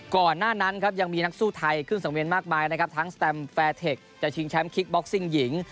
ก่อนหน้านั้นครับยังมีนักสู้ไทยขึ้นสังเวียนมากมายนะครับทั้งสแตมแฟร์เทคจะชิงแชมป์คิกบ็อกซิ่งหญิง